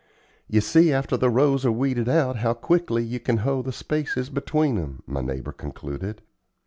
"You see after the rows are weeded out how quickly you can hoe the spaces between 'em," my neighbor concluded.